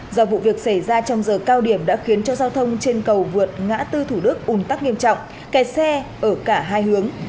do vụ việc xảy ra trong giờ cao điểm đã khiến cho giao thông trên cầu vượt ngã tư thủ đức ùn tắc nghiêm trọng kẹt xe ở cả hai hướng